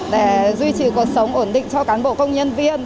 để duy trì cuộc sống ổn định cho cán bộ công nhân viên